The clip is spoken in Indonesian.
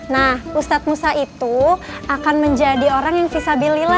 nah ustadz musa itu akan menjadi orang yang visabilila